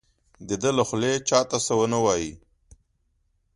د ده له خولې چا ته څه ونه وایي.